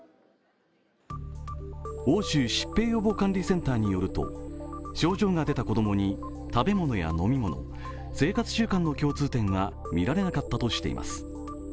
応酬疾病予防管理センターによると症状が出た子供に食べ物や飲み物、生活習慣の共通点が見られなかったとしています。